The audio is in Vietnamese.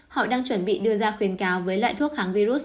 họ đang chuẩn bị đưa ra khuyến cáo với loại thuốc kháng virus